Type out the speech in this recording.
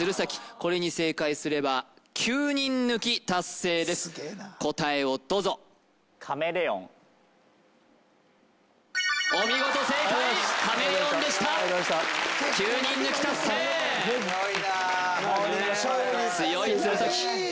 これに正解すれば９人抜き達成です答えをどうぞお見事正解強い鶴崎